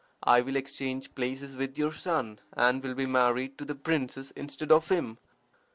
"I will exchange places with your son, and will be married to the princess instead of him.